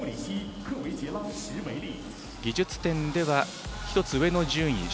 技術点では１つ上の順位